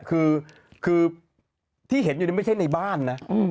คือที่เห็นอยู่นี่ไม่ใช่ในบ้านนะ